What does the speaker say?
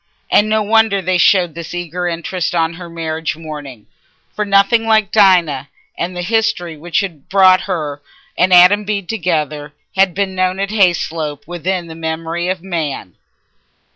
And no wonder they showed this eager interest on her marriage morning, for nothing like Dinah and the history which had brought her and Adam Bede together had been known at Hayslope within the memory of man.